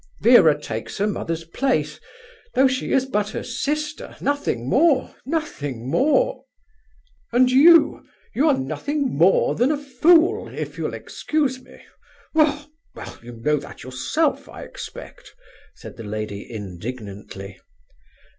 Vera takes her mother's place, though she is but her sister... nothing more... nothing more..." "And you! You are nothing more than a fool, if you'll excuse me! Well! well! you know that yourself, I expect," said the lady indignantly.